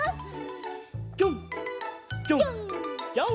ぴょんぴょんぴょん！